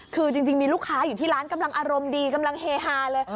คือจริงมีลูกค้าอยู่ที่ร้านกำลังอารมณ์ดีกำลังเฮฮาเลย